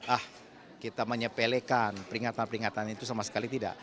ah kita menyepelekan peringatan peringatan itu sama sekali tidak